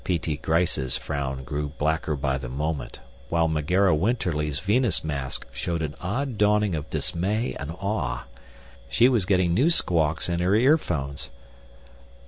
P.T. Gryce's frown grew blacker by the moment, while Megera Winterly's Venus mask showed an odd dawning of dismay and awe. She was getting new squawks in her earphones.